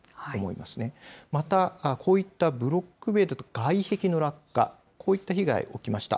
またこういったブロック塀だとか外壁の落下、こういった被害起きました。